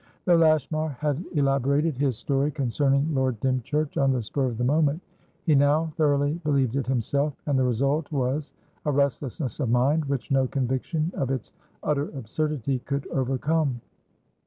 Though Lashmar had elaborated his story concerning Lord Dymchurch on the spur of the moment, he now thoroughly believed it himself, and the result was a restlessness of mind which no conviction of its utter absurdity could overcome.